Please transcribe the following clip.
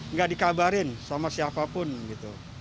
nggak dikabarin sama siapapun gitu